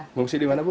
mengungsi di mana bu